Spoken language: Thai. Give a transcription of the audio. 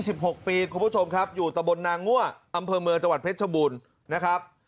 หกปีคุณผู้ชมครับอยู่ตะบนนางงั่วอำเภอเมืองจังหวัดเพชรชบูรณ์นะครับ